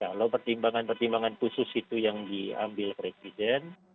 kalau pertimbangan pertimbangan khusus itu yang diambil presiden